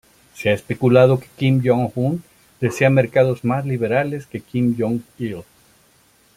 Se ha especulado que Kim Jong-un desea mercados más liberales que Kim Jong-il.